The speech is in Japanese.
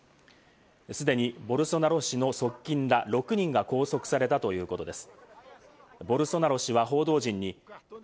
すでにボルソナロ氏の側近ら６人が拘束されたということです。